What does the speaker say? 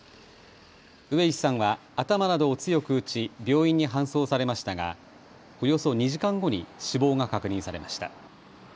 上石さんは頭などを強く打ち病院に搬送されましたがおよそ２時間後に死亡が確認されました。